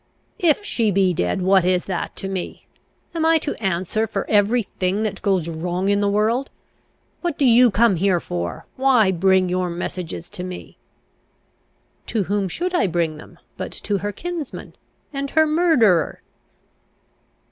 "If she be dead, what is that to me? Am I to answer for every thing that goes wrong in the world? What do you come here for? Why bring your messages to me?" "To whom should I bring them but to her kinsman, and her murderer."